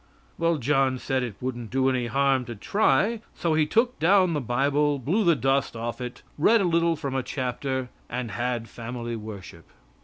Well, John said it wouldn't do any harm to try. So he took down the bible, blew the dust off it, read a little from a chapter, and had family worship.